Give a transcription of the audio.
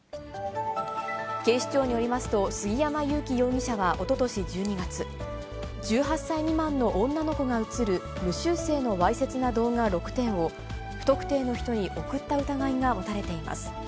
警視庁によりますと、杉山勇樹容疑者はおととし１２月、１８歳未満の女の子が映る、無修正のわいせつな動画６点を、不特定の人に送った疑いが持たれています。